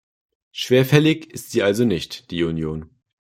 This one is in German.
Schwerfällig ist sie also nicht, die Union.